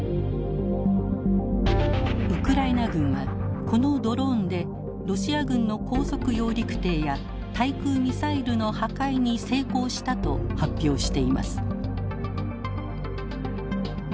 ウクライナ軍はこのドローンでロシア軍の高速揚陸艇や対空ミサイルの破壊に成功したと発表しています。